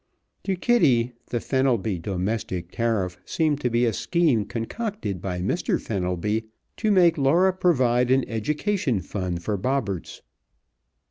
To Kitty the Fenelby Domestic Tariff seemed to be a scheme concocted by Mr. Fenelby to make Laura provide an education fund for Bobberts.